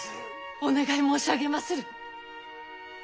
お願い申し上げまする！